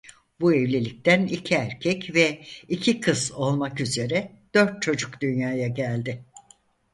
Bu evlilikten iki erkek ve iki kız olmak üzere dört çocuk dünyaya geldi.